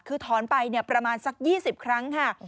คือถอนไปประมาณสัก๒๐ครั้งค่ะ